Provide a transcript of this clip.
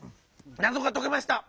なぞがとけました！